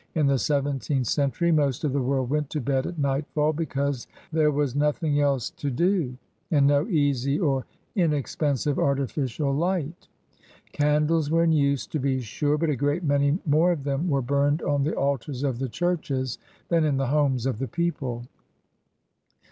In the seventeenth century most of the world went to bed at nightfall because there was nothing else to HOW THE PEOPLE LIVED 211 do, and no easy or inexpensive artificial light. Candles were in use, to be sure, but a great many more of them were burned on the altars of the churches than in the homes of the people.